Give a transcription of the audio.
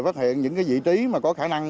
phát hiện những vị trí có khả năng